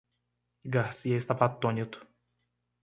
Garcia estava atônito.